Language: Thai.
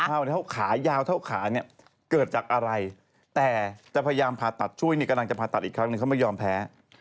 เขาขายาวเท่าขาเนี่ยเกิดจากอะไรแต่จะพยายามผ่าตัดช่วยนี่กำลังจะผ่าตัดอีกครั้งหนึ่งเขาไม่ยอมแพ้